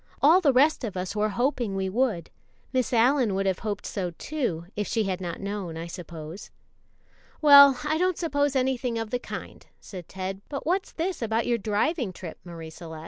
All the rest of us were hoping we would. Miss Allyn would have hoped so, too, if she had not known, I suppose." "Well, I don't suppose anything of the kind," said Ted, "but what's this about your driving trip, Marie Celeste?"